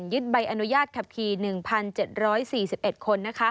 ใบอนุญาตขับขี่๑๗๔๑คน